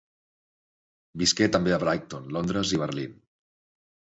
Visqué també a Brighton, Londres i Berlín.